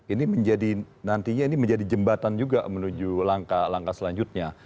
ini nantinya ini menjadi jembatan juga menuju langkah langkah selanjutnya